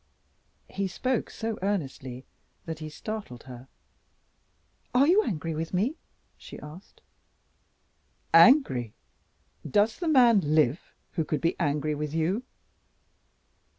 He spoke so earnestly that he startled her. "Are you angry with me?" she asked. "Angry! Does the man live who could be angry with you?"